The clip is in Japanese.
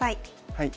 はい。